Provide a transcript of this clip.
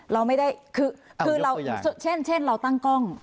เราไม่ได้คือเราเช่นเราตั้งกล้อง